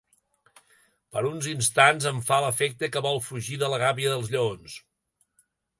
Per uns instants, em fa l'efecte que vol fugir de la gàbia dels lleons.